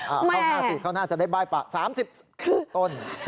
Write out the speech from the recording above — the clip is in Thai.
อ่าเข้าหน้าสิเข้าหน้าจะได้ใบ้ปะสามสิบคือต้น